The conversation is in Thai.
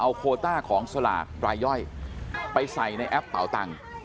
โคต้าของสลากรายย่อยไปใส่ในแอปเป่าตังค์